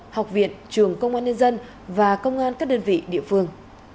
học viện trường công an nhân dân và công an các đơn vị địa phương